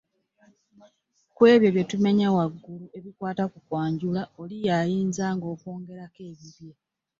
Ku ebyo bye tumenye waggulu ebikwata ku kwanjula, oli yayinzanga okwongerako ebibye.